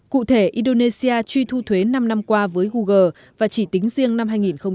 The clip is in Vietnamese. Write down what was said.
cụ thể indonesia truy thu thuế năm năm qua với google và chỉ tính riêng năm hai nghìn một mươi bảy